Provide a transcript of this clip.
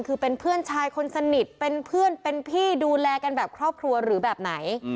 คือเป็นเพื่อนชายคนสนิทเป็นเพื่อนเป็นพี่ดูแลกันแบบครอบครัวหรือแบบไหน